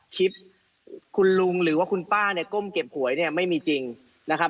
คลิปคุณลุงหรือว่าคุณป้าเนี่ยก้มเก็บหวยเนี่ยไม่มีจริงนะครับ